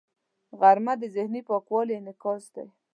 غرمه د ذهني پاکوالي انعکاس دی